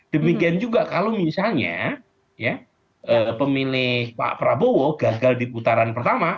demikian juga kalau misalnya pemilih pak prabowo gagal di putaran pertama